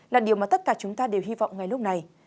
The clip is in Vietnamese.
là điều mà tất cả chúng ta đều hy vọng ngay lúc này